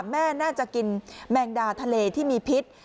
แม่น่าจะกินแมงดาทะเลที่มีพิษ